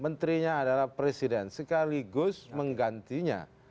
menterinya adalah presiden sekaligus menggantinya